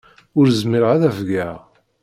Ur zmireɣ ad afgeɣ.